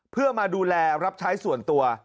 เพื่อมาดูแลรับใช้ส่วนตัว